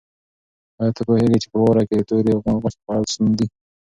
آیا ته پوهېږې چې په واوره کې د تورې غوښې خوړل ستونزمن دي؟